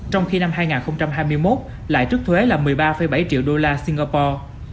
trong khi năm hai nghìn hai mươi một lại trước thuế là một mươi ba bảy triệu đô la singapore